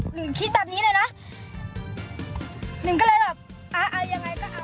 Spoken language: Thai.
หนึ่งคิดแบบนี้เลยนะหนึ่งก็เลยแบบอ่าอ่ายังไงก็เอา